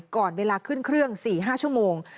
ก่อนเวลาขึ้นเครื่อง๔๕ชั่วโมง